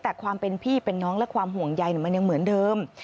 แต่ความเป็นพี่เป็นน้องและความห่วงใยมันยังเหมือนเดิม